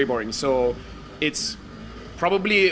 itu akan menjadi sangat membosankan